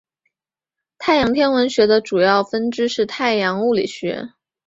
太阳天文学的主要分支是太阳物理学。